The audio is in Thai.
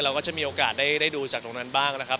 ก็จะมีโอกาสได้ดูจากตรงนั้นบ้างนะครับ